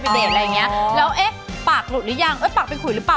ไปเดดอะไรอย่างนี้แล้วปากหลุดรึยังปากเป็นขุยหรือเปล่า